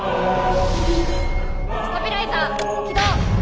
スタビライザー起動。